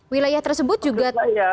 wilayah tersebut juga